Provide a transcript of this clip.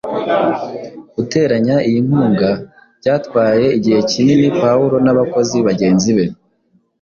Guteranya iyi nkunga byatwaye igihe kinini Pawulo n’abakozi bagenzi be